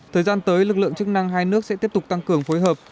thời gian tới lực lượng chức năng hai nước sẽ tiếp tục tăng cường phối hợp